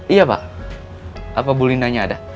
iya pak apa bu linda nya ada